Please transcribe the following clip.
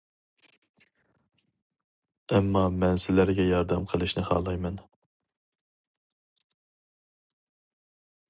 ئەمما مەن سىلەرگە ياردەم قىلىشنى خالايمەن.